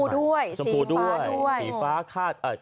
ส้มสีชมพูด้วยสีฟ้าด้วย